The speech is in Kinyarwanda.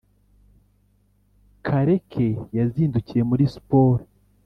kareke yazindukiye muri sport